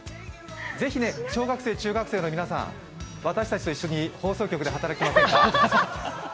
ぜひ小学生、中学生の皆さん、私たちと一緒に放送局で働きませんか？